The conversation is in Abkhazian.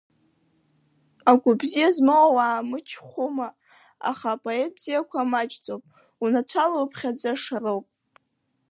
Агәы бзиа змоу ауаа мычхәума, аха апоет бзиақәа маҷӡоуп, унацәала иуԥхьаӡаша роуп.